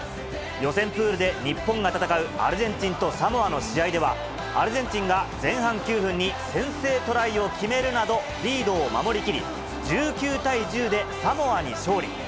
予選プールで日本が戦うアルゼンチンとサモアの試合では、アルゼンチンが前半９分に先制トライを決めるなど、リードを守りきり、１９対１０でサモアに勝利。